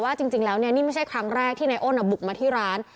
ว่าจริงนี้ล้ะงี้ไม่ใช่ครั้งแรกที่นะเอานบุกมาที่ร้าน